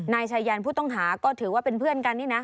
นายชายันผู้ต้องหาก็ถือว่าเป็นเพื่อนกันนี่นะ